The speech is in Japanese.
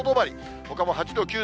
ほかも８度、９度。